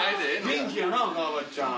元気やな川畑ちゃん